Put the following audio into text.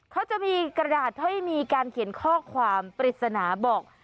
เขาจะมีกระดาษให้มีการเขียนข้อความปริศนาบอก